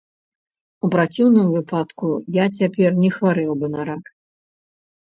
У праціўным выпадку я цяпер не хварэў бы на рак.